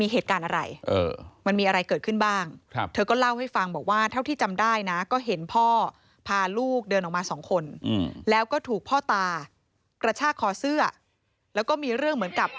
เพราะว่าเรายังไม่ได้รู้จากข่าวจากพ่อเขาเลย